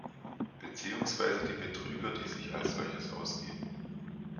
Beziehungsweise die Betrüger, die sich als solches ausgeben.